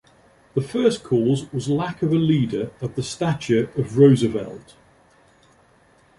The first cause was lack of a leader of the stature of Roosevelt.